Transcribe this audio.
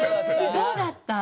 どうだった？